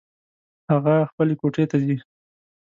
هغه خپلې کوټې ته ځي